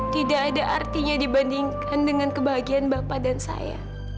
tidak ada artinya dibandingkan dengan kebahagiaan bapak dan saya